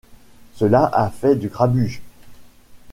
Cela a fait du grabuge.